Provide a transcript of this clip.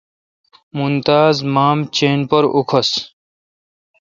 ممتاز ماݭہ چین پر اوکھس۔